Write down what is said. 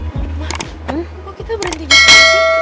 mama kok kita berhenti disini sih